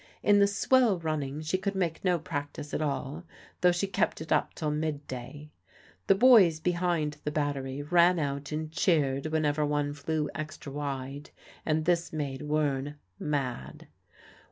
In the swell running she could make no practice at all, though she kept it up till midday. The boys behind the battery ran out and cheered whenever one flew extra wide, and this made Wearne mad.